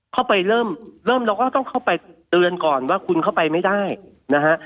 เราก็ต้องเข้าไปเตือนก่อนว่าคุณเข้าไปไม่ได้นะฮะ